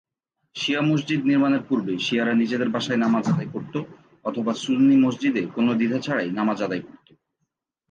শিয়া মসজিদ নির্মাণের পূর্বে শিয়ারা নিজেদের বাসায় নামায আদায় করত অথবা সুন্নি মসজিদে কোন দ্বিধা ছাড়াই নামায আদায় করত।